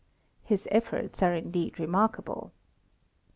His efforts are indeed remarkable.